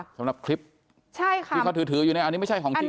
สำหรับคลิปที่เขาถืออยู่ในอันนี้ไม่ใช่ของจริง